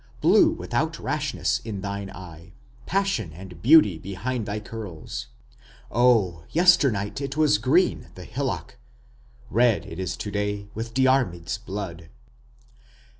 Blue without rashness in thine eye! Passion and beauty behind thy curls!... Oh, yesternight it was green the hillock, Red is it this day with Diarmid's blood.